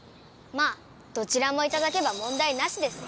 まあどちらもいただけばもんだいなしです。